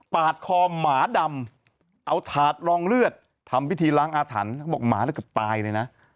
คอหมาดำเอาถาดรองเลือดทำพิธีล้างอาถรรพ์เขาบอกหมาแล้วเกือบตายเลยนะ